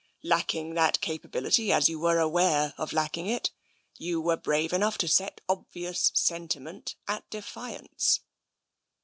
Lacking that capability, as you were aware of lacking it, you were brave enough to set obvious sentiment at defiance."